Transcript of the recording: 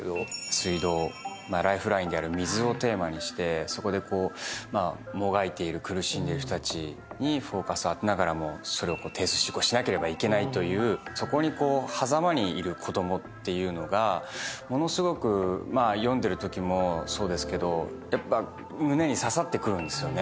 水道、ライフラインである水をテーマにして、そこでもがいてる、苦しんでいる人にフォーカスを当てながらも停水執行しなければならないという、そこに子供がいるというのはものすごく読んでるときもそうですけどやっぱ胸に刺さってくるんですよね。